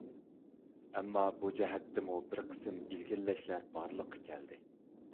ئەمما بۇ جەھەتتىمۇ بىر قىسىم ئىلگىرىلەشلەر بارلىققا كەلدى.